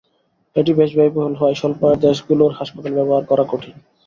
এটি বেশ ব্যয়বহুল হওয়ায় স্বল্প আয়ের দেশগুলোর হাসপাতালে ব্যবহার করা কঠিন।